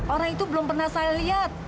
orang itu belum pernah saya lihat